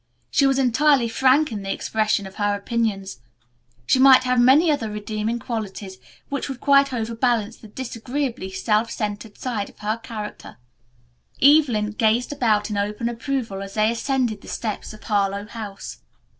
She was entirely frank in the expression of her opinions. She might have many other redeeming qualities which would quite overbalance the disagreeably self centered side of her character. Evelyn gazed about in open approval as they ascended the steps of Harlowe House.